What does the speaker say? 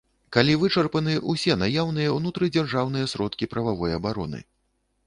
Калі вычарпаны ўсе наяўныя ўнутрыдзяржаўныя сродкі прававой абароны.